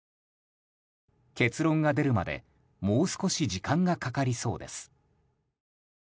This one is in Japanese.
結論が出るまでもう少し時間がかかりそうです。